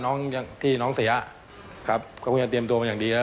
น้องที่น้องเสียครับก็คงจะเตรียมตัวมาอย่างดีแล้ว